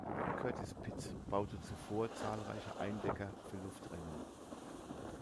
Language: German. Curtis Pitts baute zuvor zahlreiche Eindecker für Luftrennen.